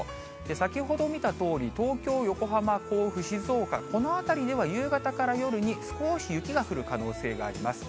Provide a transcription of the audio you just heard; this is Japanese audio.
先ほど見たとおり、東京、横浜、甲府、静岡、この辺りでは夕方から夜に、少し雪が降る可能性があります。